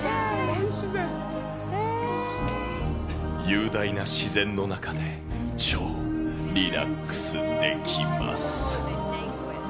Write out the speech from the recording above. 雄大な自然の中で、超リラックスできます。